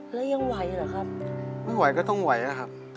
แล้วยังไหวเหรอครับไม่ไหวก็ต้องไหวอะครับ